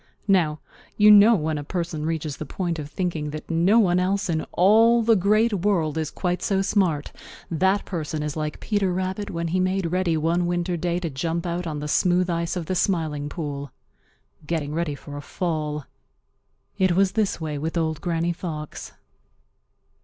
Now, you know when a person reaches the point of thinking that no one else in all the Great World is quite so smart, that person is like Peter Rabbit when he made ready one winter day to jump out on the smooth ice of the Smiling Pool,—getting ready for a fall. It was this way with Old Granny Fox.